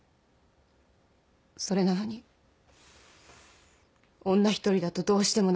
それなのに女一人だとどうしてもなめられる。